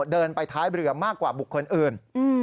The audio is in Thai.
เดินไปท้ายเรือมากกว่าบุคคลอื่น